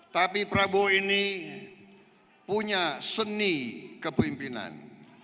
tapi prabowo ini punya seni kepemimpinan